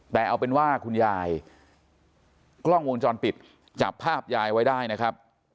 แต่เอาเป็นว่าคุณยายกล้องวงจรปิดจับภาพยายไว้ได้นะครับ